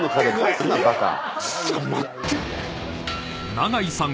［永井さん